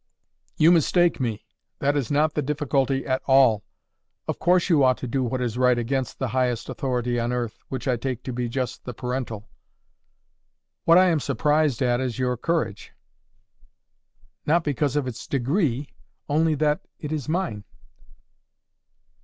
"You mistake me. That is not the difficulty at all. Of course you ought to do what is right against the highest authority on earth, which I take to be just the parental. What I am surprised at is your courage." "Not because of its degree, only that it is mine!"